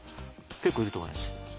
結構いると思います。